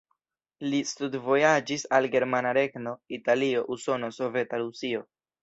Li studvojaĝis al Germana Regno, Italio, Usono, Soveta Rusio.